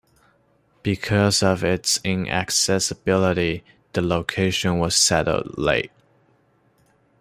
Because of its inaccessibility, the location was settled late.